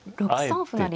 ６三歩成。